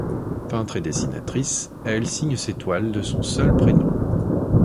Peintre et dessinatrice, elle signe ses toiles de son seul prénom.